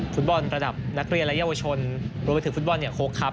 ฟุตบอลระดับนักเรียนและเยาวชนรวมไปถึงฟุตบอลเนี่ยโค้กครับ